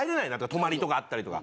泊まりとかあったりとか。